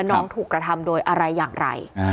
น้องถูกกระทำโดยอะไรอย่างไร